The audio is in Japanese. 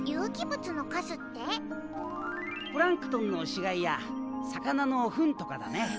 プランクトンの死骸や魚のフンとかだね。